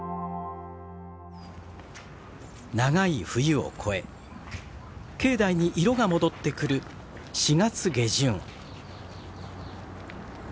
長い冬を越え境内に色が戻ってくる４月下旬。